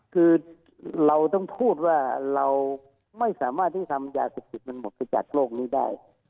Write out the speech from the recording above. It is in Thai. คือเราต้องพูดว่าเราไม่สามารถที่ทำยาเสพติดมันหมดไปจากโลกนี้ได้